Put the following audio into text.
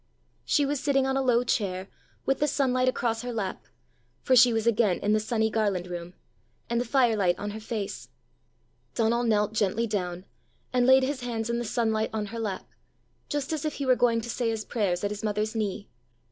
She was sitting on a low chair, with the sunlight across her lap for she was again in the sunny Garland room and the firelight on her face. Donal knelt gently down, and laid his hands in the sunlight on her lap, just as if he were going to say his prayers at his mother's knee.